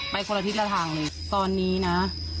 ไปคนละพิษกันกันแบบนั้นตอนนี้นะ